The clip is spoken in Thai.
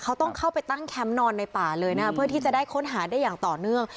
เขาต้องเข้าไปตั้งแคมป์นอนในป่าเลยนะครับเพื่อที่จะได้ค้นหาได้อย่างต่อเนื่อง